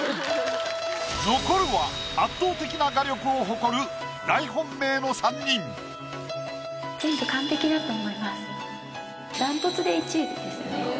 残るは圧倒的な画力を誇る大本命の３人。ですよね